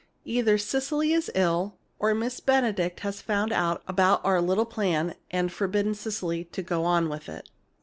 "Either Cecily is ill or Miss Benedict has found out about our little plan and forbidden Cecily to go on with it.